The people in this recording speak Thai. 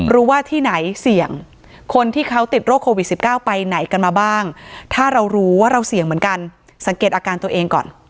ว่าที่ไหนเสี่ยงคนที่เขาติดโรคโควิด๑๙ไปไหนกันมาบ้างถ้าเรารู้ว่าเราเสี่ยงเหมือนกันสังเกตอาการตัวเองก่อน